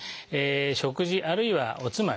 食事あるいはおつまみ。